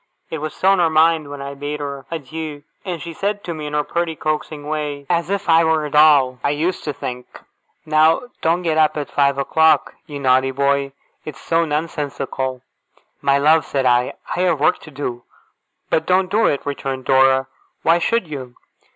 It was still on her mind when I bade her adieu; and she said to me, in her pretty coaxing way as if I were a doll, I used to think: 'Now don't get up at five o'clock, you naughty boy. It's so nonsensical!' 'My love,' said I, 'I have work to do.' 'But don't do it!' returned Dora. 'Why should you?